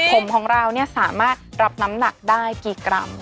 ผมของเราสามารถรับน้ำหนักได้กี่กรัม